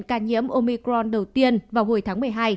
và phát hiện ca nhiễm omicron đầu tiên vào hồi tháng một mươi hai